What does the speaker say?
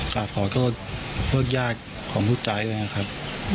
กลับขอโทษเวิร์ดยากของผู้จ่ายนะครับ